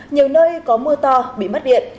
nhiều nơi có mưa to bị mất điện